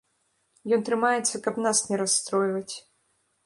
Ён трымаецца, каб нас не расстройваць.